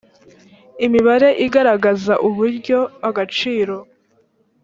imibare igaragaza uburyo agaciro